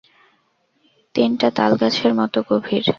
তিনটা তাল গাছের মতো গভীর।